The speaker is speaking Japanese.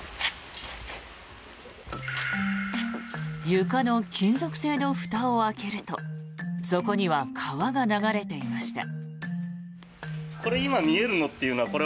床の金属製のふたを開けるとそこには川が流れていました。